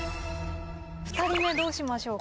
２人目どうしましょうか？